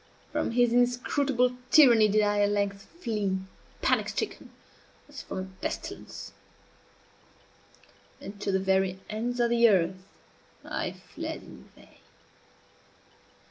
From his inscrutable tyranny did I at length flee, panic stricken, as from a pestilence; and to the very ends of the earth _I fled in vain.